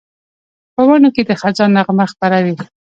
په ونو کې د خزان نغمه خپره وي